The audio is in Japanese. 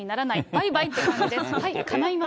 バイバイって感じです。